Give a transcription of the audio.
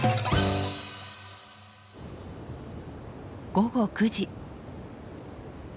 午後９時。